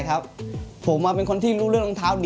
ครับตอนแรกผมก็ดูแล้วชอบ